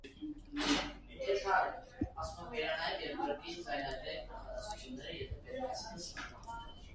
Տունն իր ոճով ներդաշնակ է հարևան տների հետ։